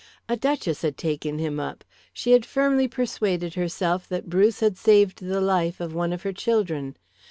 A Duchess had taken him up; she had firmly persuaded herself that Bruce had saved the life of one of her children.